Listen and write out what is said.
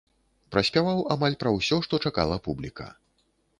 Праспяваў амаль пра ўсё, што чакала публіка.